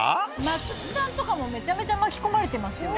松木さんとかもめちゃめちゃ巻き込まれてますよ。